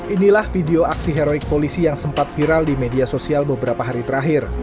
inilah video aksi heroik polisi yang sempat viral di media sosial beberapa hari terakhir